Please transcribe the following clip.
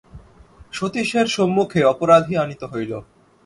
সতীশের সম্মুখে অপরাধী আনীত হইল।